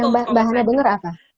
yang mbak hana dengar apa